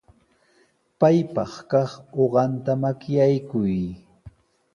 Paypaq kaq uqanta makaykuy.